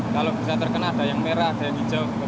kalau bisa terkena ada yang merah ada yang hijau